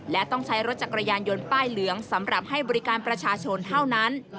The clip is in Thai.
และต้องใช้รถจักรยานยนต์ป้ายเหลืองสำหรับให้บริการประชาชนเท่านั้น